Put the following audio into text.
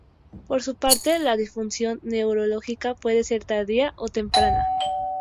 Por su parte, la disfunción neurológica puede ser tardía o temprana.